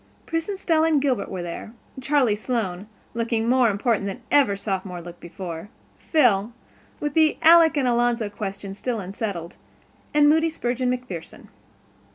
Pris and Stella and Gilbert were there, Charlie Sloane, looking more important than ever a Sophomore looked before, Phil, with the Alec and Alonzo question still unsettled, and Moody Spurgeon MacPherson.